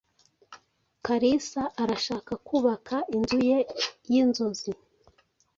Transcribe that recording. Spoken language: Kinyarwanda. Kalisa arashaka kubaka inzu ye yinzozi.